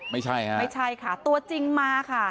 ไม่ใช่ค่ะตัวจริงมาค่ะ